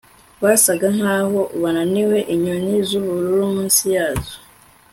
Basaga nkaho bananiwe inyoni zubururu munsi yazo